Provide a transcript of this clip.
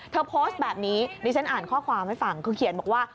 โพสต์แบบนี้ดิฉันอ่านข้อความให้ฟังคือเขียนบอกว่า